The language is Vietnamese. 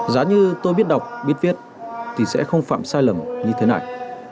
giá như tôi biết đọc biết viết thì sẽ không phạm sai lầm như thế này